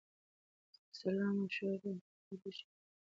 د سلا مشورو ارزښت يې پېژانده.